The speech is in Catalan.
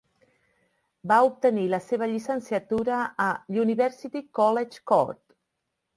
Va obtenir la seva llicenciatura a University College Cork.